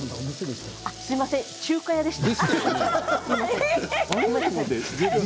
すみません、中華屋でした。